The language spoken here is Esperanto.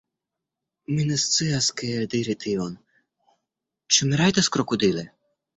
Mi ne scias, kiel diri tion. Ĉu mi rajtas krokodili?